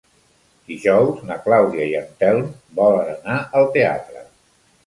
Dijous na Clàudia i en Telm volen anar al teatre.